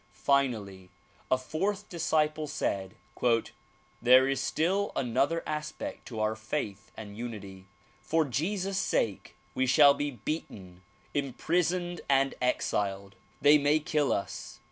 Finally a fourth disciple said "There is still another aspect to our faith and unity. For Jesus' sake we shall be beaten, imprisoned and exiled. They may kill us.